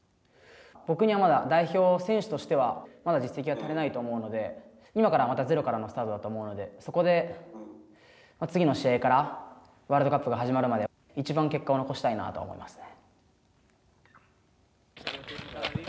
僕にはまだ、代表選手としてはまだ実績は足りないと思うので今からまたゼロからのスタートだと思うので、そこで次の試合からワールドカップが始まるまで、いちばん結果を残したいなとは思いますね。